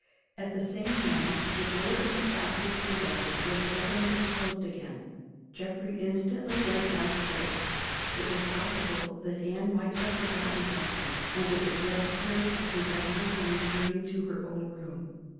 At the same moment the door in the passage below was opened and closed again. Geoffrey instantly went down stairs. It was possible that Anne might have forgotten something; and it was necessary to prevent her from returning to her own room.